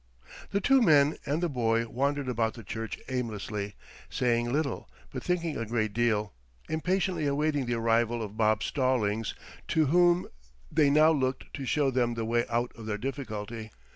The two men and the boy wandered about the church aimlessly, saying little, but thinking a great deal, impatiently awaiting the arrival of Bob Stallings, to whom they now looked to show them the way out of their difficulty.